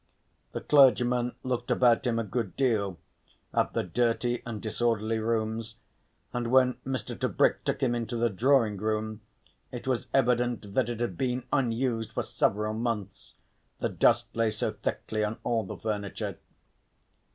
The clergyman looked about him a good deal, at the dirty and disorderly rooms, and when Mr. Tebrick took him into the drawing room it was evident that it had been unused for several months, the dust lay so thickly on all the furniture.